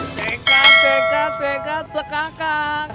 sekat sekat sekat sekakang